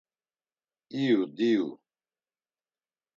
İyu diyu.